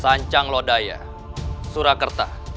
sancang lodaya surakerta